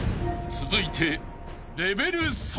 ［続いて］